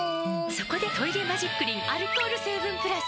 そこで「トイレマジックリン」アルコール成分プラス！